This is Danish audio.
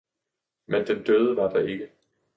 men den døde var der ikke.